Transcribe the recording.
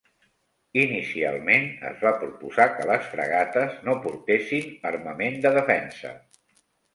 Inicialment es va proposar que les fragates no portessin armament de defensa.